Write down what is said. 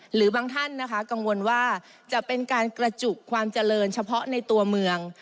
หรือบางท่านนะคะกังวลว่าจะเป็นการกระจุกความเจริญเฉพาะในตัวเมือง